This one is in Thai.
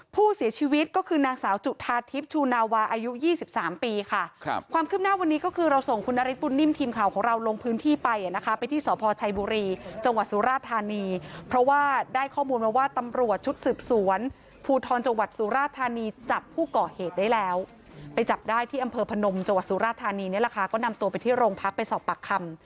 ผู้เสียชีวิตก็คือนางสาวจุธาทิพย์ชูนาวาอายุยี่สิบสามปีค่ะ